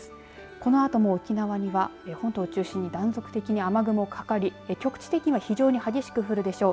このあとも沖縄には本島を中心に断続的に雨雲がかかり局地的には非常に激しく降るでしょう。